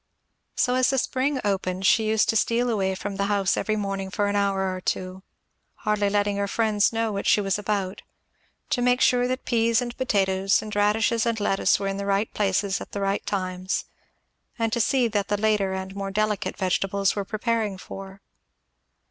So as the spring opened she used to steal away from the house every morning for an hour or two, hardly letting her friends know what she was about, to make sure that peas and potatoes and radishes and lettuce were in the right places at the right times, and to see that the later and more delicate vegetables were preparing for.